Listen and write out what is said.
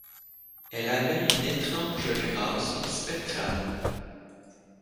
Elle avait une étrange grâce spectrale.